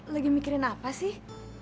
lagi mikirin apa sih